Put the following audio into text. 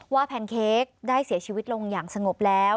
แพนเค้กได้เสียชีวิตลงอย่างสงบแล้ว